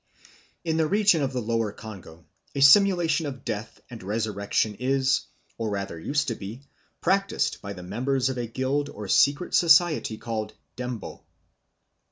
In the region of the Lower Congo a simulation of death and resurrection is, or rather used to be, practised by the members of a guild or secret society called _ndembo.